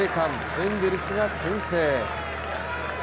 エンゼルスが先制。